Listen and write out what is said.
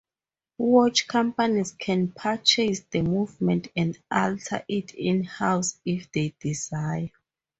Watch companies can purchase the movement and alter it in house if they desire.